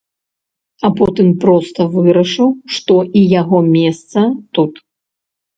А потым проста вырашыў, што і яго месца тут.